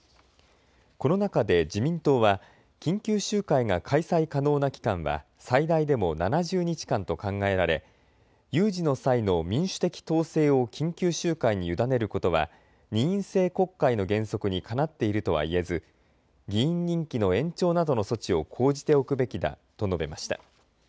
この中で自民党は緊急集会が開催可能な期間は最大でも７０日間と考えられ有事の際の民主的統制を緊急集会に委ねることは二院制国会の原則にかなっているとは言えず議員任期の延長などの措置を講じておくべきだと述べました。